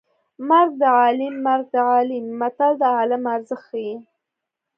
مرګ د عالیم مرګ د عالیم متل د عالم ارزښت ښيي